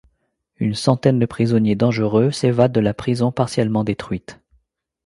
Une centaine de prisonniers dangereux s'évadent de la prison partiellement détruite.